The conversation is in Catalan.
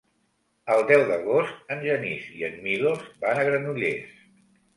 El deu d'agost en Genís i en Milos van a Granollers.